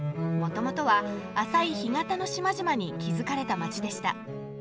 もともとは浅い干潟の島々に築かれた街でした。